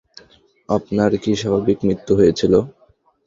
আপনার কি স্বাভাবিক মৃত্যু হয়েছিল?